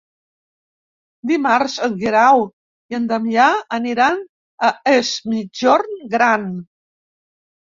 Dimarts en Guerau i en Damià aniran a Es Migjorn Gran.